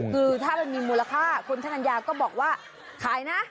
คือถ้ามันมีมูลค่าคุณชะนัญญาก็บอกว่าขายนะ